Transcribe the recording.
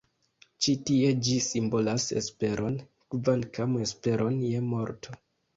Ĉi tie ĝi simbolas esperon, kvankam esperon je morto.